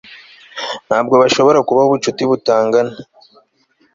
ntabwo hashobora kubaho ubucuti butangana